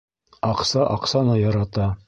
Аҡса аҡсаны ярата.